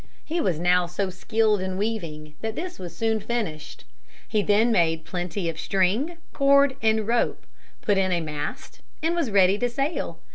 He was now so skilled in weaving that this was soon finished. He then made plenty of string, cord, and rope, put in a mast and was ready to sail.